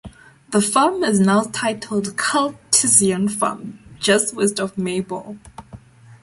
The farm is now titled Cultezeon Farm, just west of Maybole.